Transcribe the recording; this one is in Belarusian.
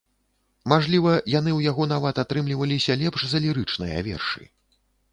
Мажліва, яны ў яго нават атрымліваліся лепш за лірычныя вершы.